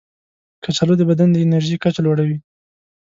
کچالو د بدن د انرژي کچه لوړوي.